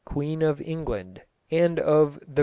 Quene of Englonde, and of the